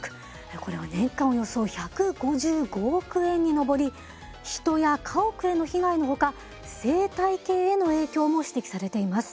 これは年間およそ１５５億円に上り人や家屋への被害のほか生態系への影響も指摘されています。